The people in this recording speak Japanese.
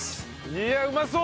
いやうまそう！